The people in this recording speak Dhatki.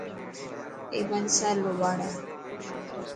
اي پنج سال رو ٻاڙ هي.